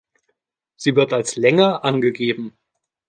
Sie wird als Länge angegeben.